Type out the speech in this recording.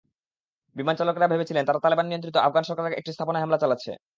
বিমান চালকেরা ভেবেছিলেন, তারা তালেবান-নিয়ন্ত্রিত আফগান সরকারের একটি স্থাপনায় হামলা চালাচ্ছে।